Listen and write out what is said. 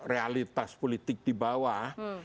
realitas politik di bawah